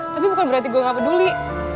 tapi bukan berarti gue gak peduli